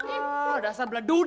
ah dasar beladun